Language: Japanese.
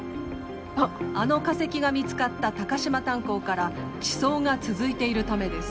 あの化石が見つかった高島炭鉱から地層が続いているためです。